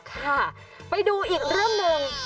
ค่ะไปดูอีกเรื่องหนึ่ง